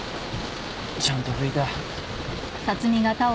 ちゃんとふいて。